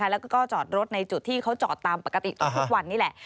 แล้วก็จอดรถในจุดที่เขาจอดตามปกติทุกวันนี้แหละ